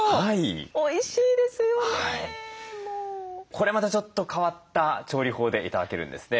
これまたちょっと変わった調理法で頂けるんですね。